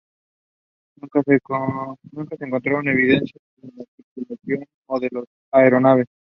Nunca se encontraron evidencias de la tripulación o de la aeronave.